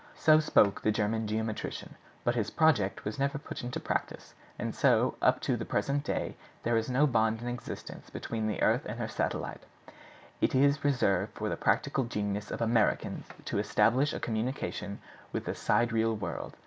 So spoke the German geometrician; but his project was never put into practice, and up to the present day there is no bond in existence between the Earth and her satellite. It is reserved for the practical genius of Americans to establish a communication with the sidereal world.